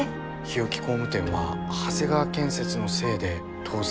日置工務店は長谷川建設のせいで倒産したのかも。